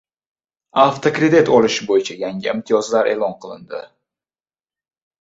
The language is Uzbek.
Avtokredit olish bo‘yicha yangi imtiyozlar e’lon qilindi